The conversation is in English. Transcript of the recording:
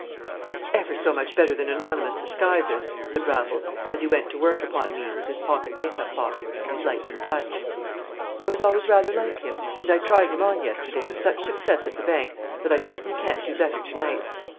"It's ever so much better than anonymous disguises," said Raffles, as he went to work upon me with his pocket make up box and his lightning touch. "I was always rather like him, and I tried him on yesterday with such success at the bank that I certainly can't do better to night.